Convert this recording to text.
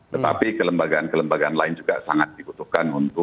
tetapi kelembagaan kelembagaan lain juga sangat dibutuhkan untuk